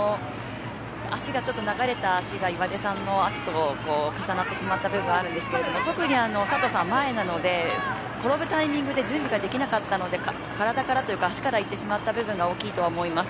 ちょっと流れた足が岩出さんの足と重なってしまった部分あるんですけど特に佐藤さん、前なので転ぶタイミングで準備ができなかったので体からというか足からいってしまった部分が大きいと思います。